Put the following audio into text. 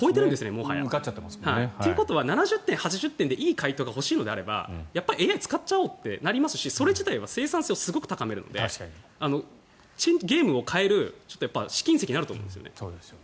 もはや。ということは７０点、８０点でいい回答が欲しいのであればＡＩを使っちゃおうとなりますしそれ自体は生産性をすごく高めるのでゲームを変える試金石になると思うんですよね。